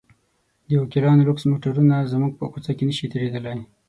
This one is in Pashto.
د وکیلانو لوکس موټرونه زموږ په کوڅه کې نه شي تېرېدلی.